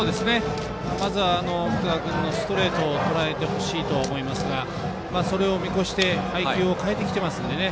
まずは福田君のストレートをとらえてほしいと思いますがそれを見越して配球を変えてきてますのでね。